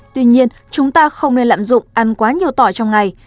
tuy nhiên chúng ta không nên lạm dụng ăn quá nhiều tỏi trong ngày